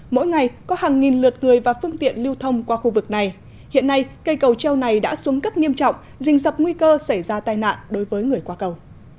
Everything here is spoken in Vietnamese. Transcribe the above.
mỗi ngày có hàng nghìn lượt người và phương tiện lưu thông qua khu vực này hiện nay cây cầu treo này đã xuống cấp nghiêm trọng dình dập nguy cơ xảy ra tai nạn đối với người qua cầu